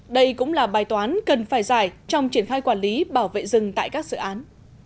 đây cũng là bài toán cần phải giải trong triển khai quản lý bảo vệ rừng tại các dự án